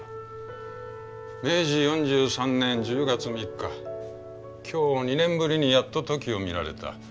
「明治４３年１０月３日今日２年ぶりにやっとトキを見られた。